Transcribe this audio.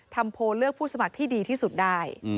โพลเลือกผู้สมัครที่ดีที่สุดได้